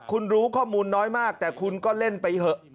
คุณรู้ข้อมูลน้อยมากแต่คุณก็เล่นไปเถอะ